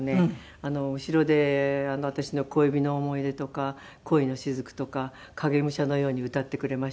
後ろで私の『小指の想い出』とか『恋のしずく』とか影武者のように歌ってくれました。